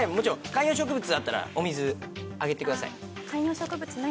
観葉植物あったらお水あげてください。